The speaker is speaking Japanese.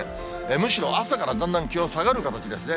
むしろ朝からだんだん気温下がる形ですね。